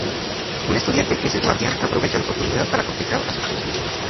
Un estudiante que es el guardián, aprovecha la oportunidad para cortejar a su esposa.